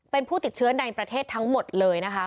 เป็นผู้ติดเชื้อในประเทศทั้งหมดเลยนะคะ